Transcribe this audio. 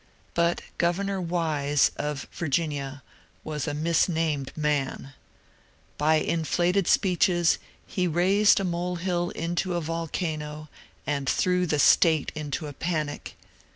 But Governor Wise of Virginia was a misnamed man ; by inflated speeches he raised a mole hill into a volcano, and threw the State into a panic.